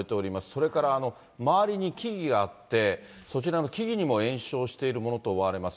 それから周りに木々があって、そちらの木々にも延焼しているものと思われます。